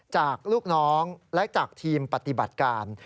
จากลูกน้องและจากทีมปฏิบัติการ